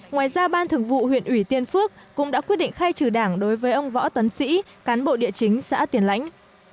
ngoài ra ban thường vụ huyện ủy tiên phước cũng đã quyết định khai trừ đảng đối với ông võ tấn sĩ cán bộ địa chính xã tiền lãnh